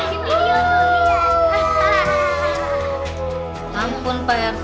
ini dia aku liat